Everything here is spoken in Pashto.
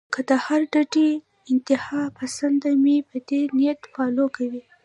کۀ د هرې ډډې انتها پسند مې پۀ دې نيت فالو کوي